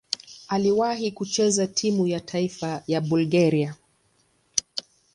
Aliwahi kucheza timu ya taifa ya Bulgaria.